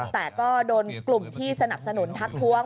แต่ก็โดนกลุ่มที่สนับสนุนทักท้วง